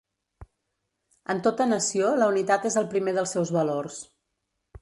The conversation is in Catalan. En tota nació la unitat és el primer dels seus valors.